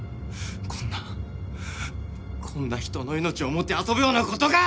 こんなこんな人の命をもてあそぶようなことが！